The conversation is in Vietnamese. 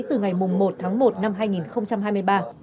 từ ngày một tháng một năm hai nghìn hai mươi ba